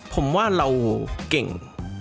ผมว่าเราเก่ง